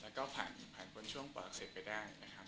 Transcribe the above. แล้วก็ผ่านช่วงป่ออักเสบไปได้นะครับ